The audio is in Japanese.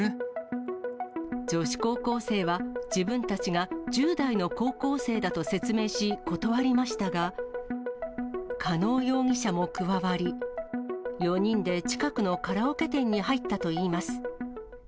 女子高校生は、自分たちが１０代の高校生だと説明し、断りましたが、加納容疑者も加わり、４人で近くのカラオケ店に入ったといいます。